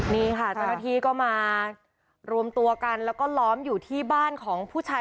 นี่ค่ะเจ้าหน้าที่ก็มารวมตัวกันแล้วก็ล้อมอยู่ที่บ้านของผู้ชาย